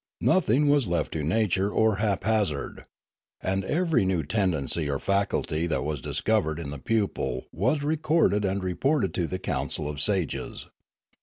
Nothing was left to nature or haphazard. And every new tendency or faculty that was discovered in the pupil was recorded and reported to the council of sages.